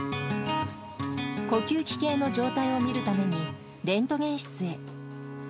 呼吸器系の状態を見るために、レントゲン室へ。